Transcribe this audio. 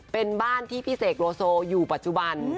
เป็นบ้านที่พี่เสกโลโซอยู่ปัจจุบัน